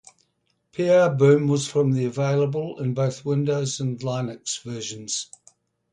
PrBoom was from then available in both Windows and Linux versions.